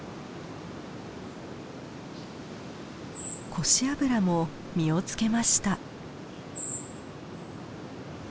コシアブラも実を付けました。